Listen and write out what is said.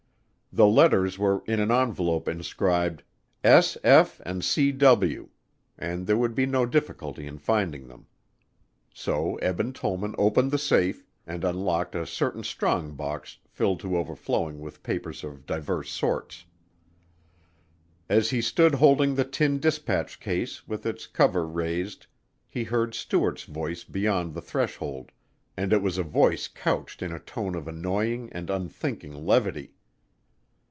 The letters were in an envelope inscribed "S. F. & C. W." and there would be no difficulty in finding them. So Eben Tollman opened the safe, and unlocked a certain strong box filled to overflowing with papers of divers sorts. As he stood holding the tin dispatch case with its cover raised he heard Stuart's voice beyond the threshold and it was a voice couched in a tone of annoying and unthinking levity.